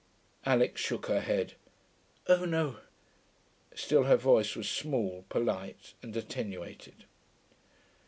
Alix shook her head. 'Oh no.' Still her voice was small, polite, and attenuated.